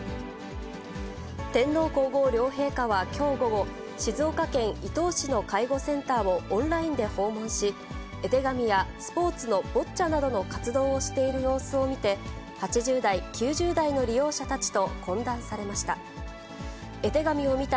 天皇皇后両陛下はきょう午後、静岡県伊東市の介護センターをオンラインで訪問し、絵手紙や、スポーツのボッチャなどの活動をしている様子を見て、８０代、９０代の利用者たちと懇談されました。